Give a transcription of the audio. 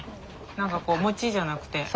何かこうモチじゃなくて。